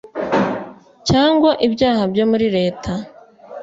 cyangwa ibyaha byo muri leta